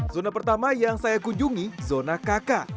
zona pertama yang saya kunjungi zona kk